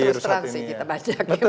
terus transi kita banyak